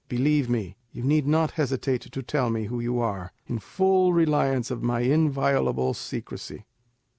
Believe me, you need not hesitate to tell me who you are, in full reliance on my inviolable secrecy."